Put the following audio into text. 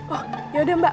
oh yaudah mbak